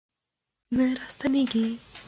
نه راستنیږي